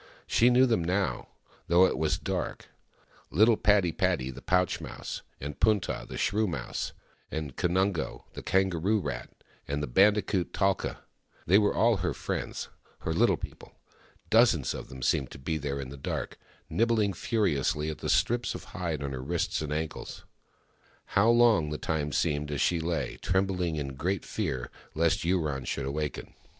She knew them now, though it was dark— little Padi padi, the pouch mouse, and Punta, the shrew mouse, and Kanungo, the kangaroo rat, with the bandicoot, Talka. They were all her friends— her Little People. Dozens of them seemed to be there in the dark, nibbling furiously at the strips of hide on her wrists and ankles. How long the time seemed as she lay, trembling, in great fear lest Yurong should awaken